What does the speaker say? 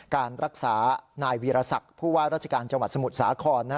การรักษานายวีรศักดิ์ผู้ว่าราชการจังหวัดสมุทรสาคร